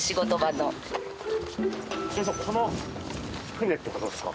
この船って事ですか？